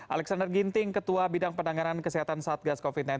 alexander ginting ketua bidang penanganan kesehatan satgas covid sembilan belas